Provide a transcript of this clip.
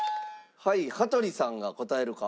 はい羽鳥さんが答えるか？